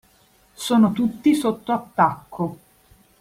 Sono tutti sotto attacco.